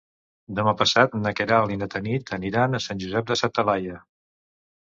Demà passat na Queralt i na Tanit aniran a Sant Josep de sa Talaia.